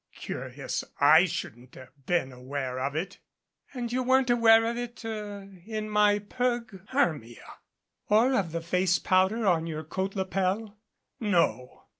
"Curious I shouldn't have been aware of it." "And you weren't aware of it er in my perg " "Hermia !" "Or of the face powder on your coat lapel?" "No."